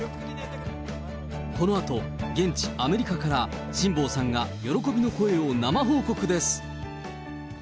このあと、現地、アメリカから辛坊さんが喜びの声を生報告です。